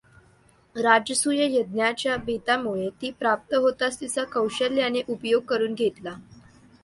राजसूय यज्ञच्या बेतामुळे ती प्राप्त होतांच तिचा कौशल्याने उपयोग करून घेतला.